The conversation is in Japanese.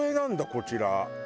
こちら。